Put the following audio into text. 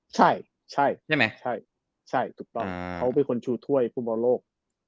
ใช่ใช่ใช่ใช่ถูกต้องเขาเป็นคนชูถ้วยภูมิบ่าโลก